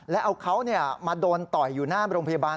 แล้วเอาเขามาโดนต่อยอยู่หน้าโรงพยาบาล